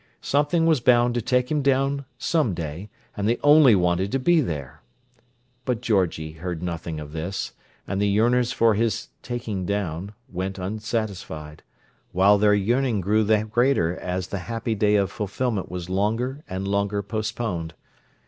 Something was bound to take him down, some day, and they only wanted to be there! But Georgie heard nothing of this, and the yearners for his taking down went unsatisfied, while their yearning grew the greater as the happy day of fulfilment was longer and longer postponed.